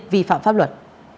vi phạm pháp luật